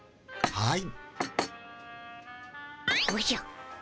はい。